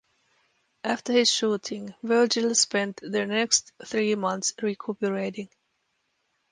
After his shooting, Virgil spent the next three months recuperating.